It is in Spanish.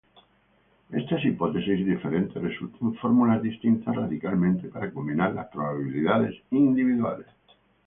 Estas hipótesis diferentes resultan fórmulas distintas radicalmente para combinar las probabilidades individuales.